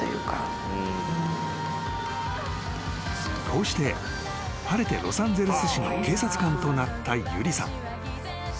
［こうして晴れてロサンゼルス市の警察官となった有理さん］